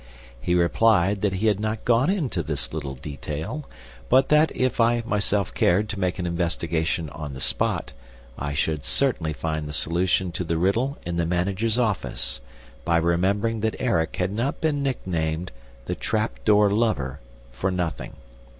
He replied that he had not gone into this little detail, but that, if I myself cared to make an investigation on the spot, I should certainly find the solution to the riddle in the managers' office by remembering that Erik had not been nicknamed the trap door lover for nothing.